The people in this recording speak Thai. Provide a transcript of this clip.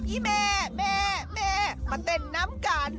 ไอ้แม่แม่แม่มาเต้นน้ำกาล